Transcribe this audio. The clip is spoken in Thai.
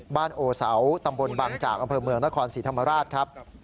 โอเสาตำบลบังจากอำเภอเมืองนครศรีธรรมราชครับ